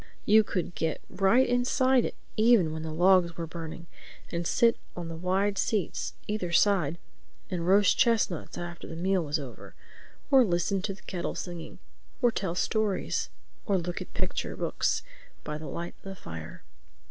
You could get right inside it even when the logs were burning and sit on the wide seats either side and roast chestnuts after the meal was over—or listen to the kettle singing, or tell stories, or look at picture books by the light of the fire.